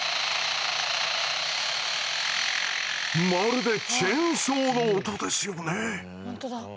まるでチェーンソーの音ですよね！